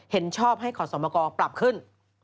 เห็นชอบให้ขอสมกรปรับขึ้น